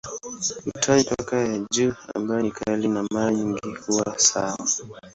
Hutoa mipaka ya juu ambayo ni kali na mara nyingi huwa sawa.